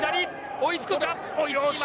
追いつくか？